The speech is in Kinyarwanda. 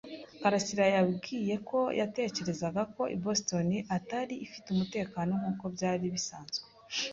karasira yambwiye ko yatekerezaga ko Boston itari ifite umutekano nk'uko byari bisanzwe.